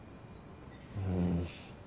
うん。